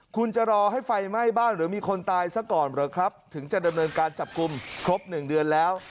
คุณจะรอให้ไฟไหม้บ้านหรือมีคนตายซะก่อนหรือครับถึงจะดำเนินการจับกลุ่มครบหนึ่งเดือนแล้ว